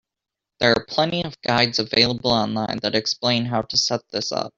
There are plenty of guides available online that explain how to set this up.